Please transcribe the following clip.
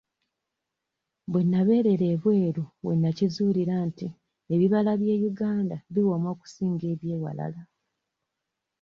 We nabeerera ebweru we nakizuulira nti ebibala by'e Uganda biwooma okusinga eby'ewalala.